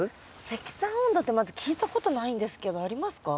積算温度ってまず聞いたことないんですけどありますか？